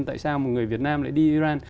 tại sao một người việt nam lại đi iran